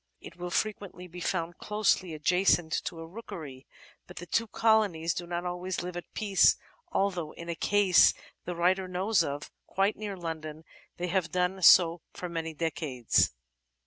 It will frequently be found closely adjacent to a rookery, but the two colonies do not always live at peace, although in a case the writer knows of, quite near London, they have done so for many decades.